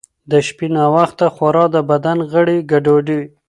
د شپې ناوخته خورا د بدن غړي ګډوډوي.